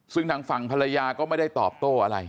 ซึ่งทางฝั่งภรรยาก็ไม่ได้ตอบโต้อะไร